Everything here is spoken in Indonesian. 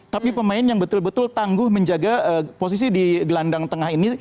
tapi pemain yang betul betul tangguh menjaga posisi di gelandang tengah ini